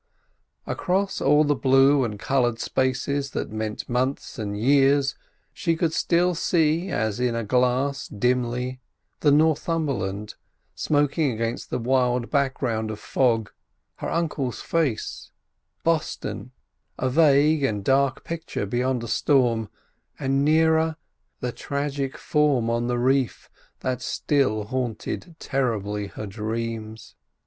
Across all the blue and coloured spaces that meant months and years she could still see as in a glass dimly the Northumberland, smoking against the wild background of fog; her uncle's face, Boston—a vague and dark picture beyond a storm—and nearer, the tragic form on the reef that still haunted terribly her dreams.